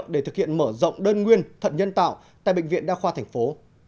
để thực hiện mở rộng đơn nguyên thận nhân tạo tại bệnh viện đa khoa thành phố